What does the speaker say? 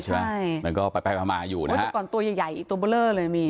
ใช่มันก็ไปไปมาอยู่นะแล้วแต่ก่อนตัวใหญ่ใหญ่ตัวเบอร์เลอร์เลยมี